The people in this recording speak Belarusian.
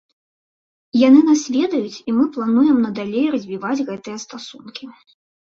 Яны нас ведаюць і мы плануем надалей развіваць гэтыя стасункі.